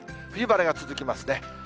冬晴れが続きますね。